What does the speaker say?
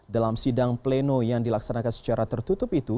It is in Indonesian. dalam sidang pleno yang dilaksanakan secara tertutup itu